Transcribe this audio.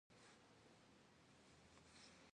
Se feêplh khesşexunu sxuêyş.